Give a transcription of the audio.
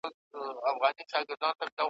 موږ په روڼو سترګو لاندي تر بړستن یو ,